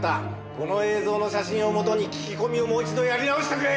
この映像の写真をもとに聞き込みをもう一度やり直してくれ！